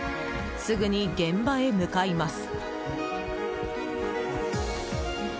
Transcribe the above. すぐに現場へ向かいます。